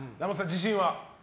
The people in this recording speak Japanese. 自信は？